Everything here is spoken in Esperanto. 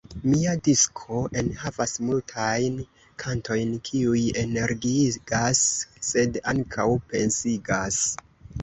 Mia disko enhavas multajn kantojn, kiuj energiigas, sed ankaŭ pensigas.